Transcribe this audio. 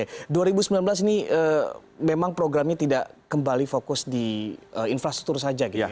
oke dua ribu sembilan belas ini memang programnya tidak kembali fokus di infrastruktur saja gitu ya